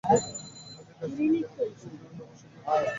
তাঁদের কাছ থেকে জিহাদবিষয়ক বিভিন্ন বই, জঙ্গি প্রশিক্ষণের ভিডিও পাওয়া গেছে।